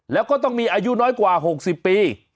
แล้วก็ต้องมีอายุน้อยกว่า๖๐ปี